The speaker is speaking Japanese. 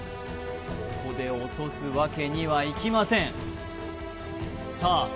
ここで落とすわけにはいきませんさあ